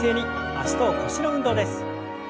脚と腰の運動です。